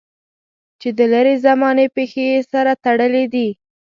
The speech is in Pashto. چې د لرې زمانې پېښې یې سره تړلې دي.